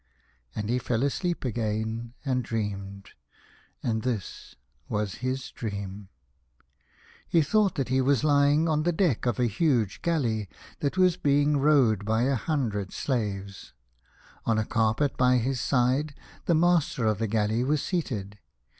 And he fell asleep again and dreamed, and this was his dream. He thought that he was lying on the deck of a huge galley that was being rowed by a hundred slaves. On a carpet by his side the master of the galley was seated.